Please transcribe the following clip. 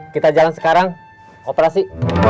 kita jalan sekarang operasi